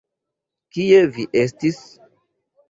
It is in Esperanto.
Kie vi estis?